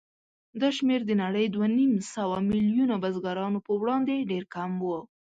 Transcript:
دا شمېر د نړۍ دوهنیمسوه میلیونه بزګرانو په وړاندې ډېر کم و.